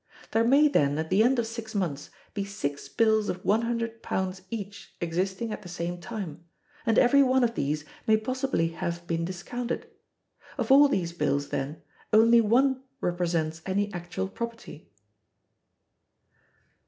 There may then, at the end of six months, be six bills of £100 each existing at the same time, and every one of these may possibly have been discounted. Of all these bills, then, only one represents any actual property.